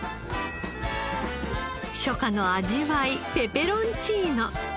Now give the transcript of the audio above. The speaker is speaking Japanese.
初夏の味わいペペロンチーノ。